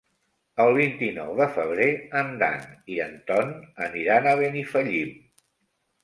El vint-i-nou de febrer en Dan i en Ton aniran a Benifallim.